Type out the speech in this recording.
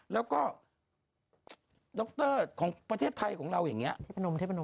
แล้วก็ดรของประเทศไทยของเราอย่างนี้